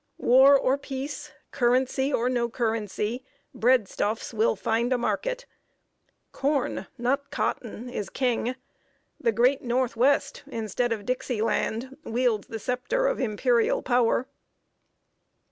War or peace, currency or no currency, breadstuffs will find a market. Corn, not cotton, is king; the great Northwest, instead of Dixie Land, wields the sceptre of imperial power.